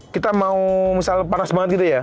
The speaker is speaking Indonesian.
kita mau misal panas banget gitu ya